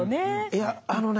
いやあのね